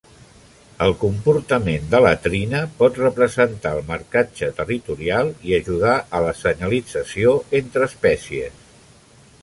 El comportament de latrina pot representar el marcatge territorial i ajudar a la senyalització entre espècies.